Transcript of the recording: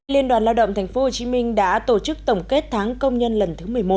liên đoàn lao động tp hcm đã tổ chức tổng kết tháng công nhân lần thứ một mươi một